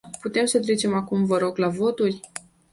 Putem să trecem acum, vă rog, la voturi?